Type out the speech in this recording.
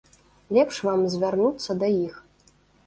Лепш вам звярнуцца да іх.